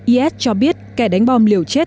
is cho biết kẻ đánh bom liều chết